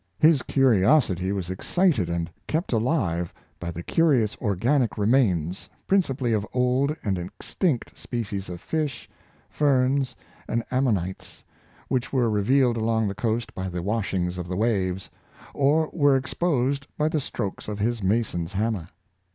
His curiosity was excited and kept alive by the curi ous organic remains, principally of old and extinct spe cies of fishes, ferns, and ammonites, which were re vealed along the coast by the washings of the waves, or were exposed by the stroke of his mason's hammer.